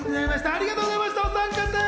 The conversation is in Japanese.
ありがとうございました、お三方。